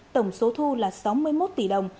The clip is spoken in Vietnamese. tổng số thu là sáu mươi một tỷ đồng